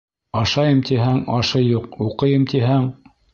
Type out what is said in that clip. Ашайым тиһәң, ашы юҡ, уҡыйым тиһәң...